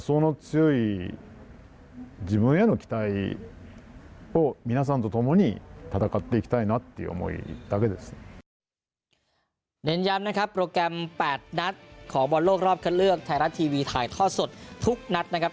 ตอนนี้ก็จะออกมาที่จะปล่อยสิ่งที่แกไม่ได้